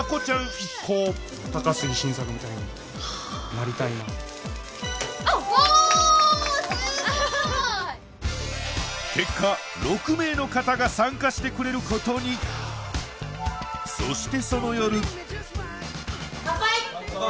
一行高杉晋作みたいになりたいなとあっおおすごーい結果６名の方が参加してくれることにそしてその夜乾杯乾杯！